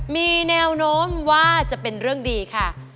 มีแนวโน้มว่าจะเป็นเรื่องดีค่ะ